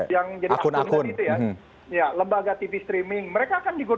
ini akan kemudian p tiga sps ini